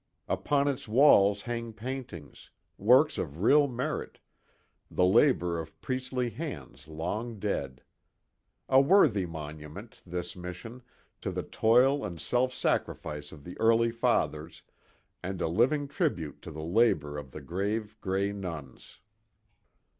Upon its walls hang paintings works of real merit, the labor of priestly hands long dead. A worthy monument, this mission, to the toil and self sacrifice of the early Fathers, and a living tribute to the labor of the grave Grey Nuns.